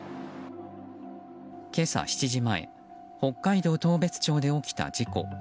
今朝７時前北海道当別町で起きた事故。